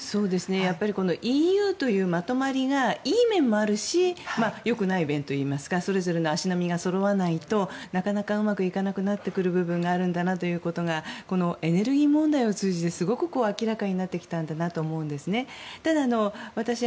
やっぱりＥＵというまとまりがいい面もあるし良くない面といいますかそれぞれの足並みがそろわないとなかなかうまくいかなくなってくる部分があるんだなということがこのエネルギー問題を通じてすごく明らかになってきたんだなと思うんですね。